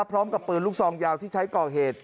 พร้อมกับปืนลูกซองยาวที่ใช้ก่อเหตุ